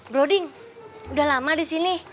broding udah lama disini